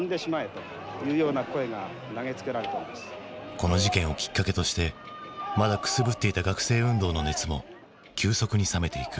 この事件をきっかけとしてまだくすぶっていた学生運動の熱も急速に冷めていく。